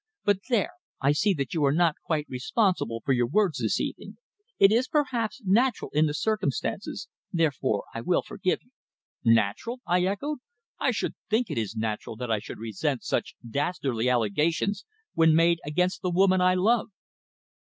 But there, I see that you are not quite responsible for your words this evening. It is, perhaps, natural in the circumstances; therefore I will forgive you." "Natural!" I echoed. "I should think it is natural that I should resent such dastardly allegations when made against the woman I love."